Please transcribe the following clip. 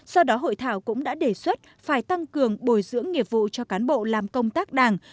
do đó hội thảo cũng đã đề xuất phải tăng cường bồi dưỡng nghiệp vụ cho cán bộ làm công tác đảng